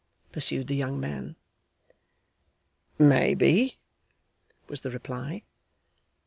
pursued the young man. 'Maybe,' was the reply.